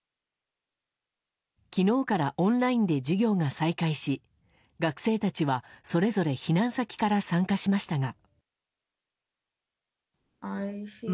昨日からオンラインで授業が再開し学生たちは、それぞれ避難先から参加しましたが。